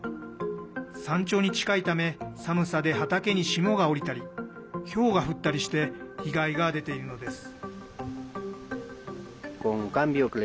山頂に近いため寒さで畑に霜が降りたりひょうが降ったりして被害が出ているのです。